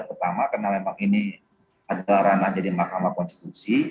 pertama karena memang ini adalah ranah dari mahkamah konstitusi